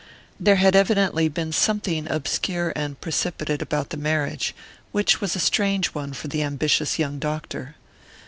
There had evidently been something obscure and precipitate about the marriage, which was a strange one for the ambitious young doctor.